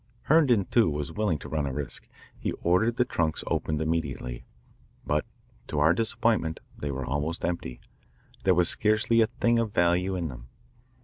Herndon, too, was willing to run a risk. He ordered the trunks opened immediately. But to our disappointment they were almost empty. There was scarcely a thing of value in them.